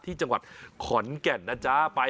สุดยอดน้ำมันเครื่องจากญี่ปุ่น